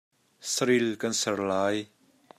Saril kan ser lai.